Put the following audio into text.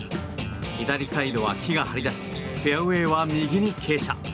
左サイドは木が張り出しフェアウェーは右に傾斜。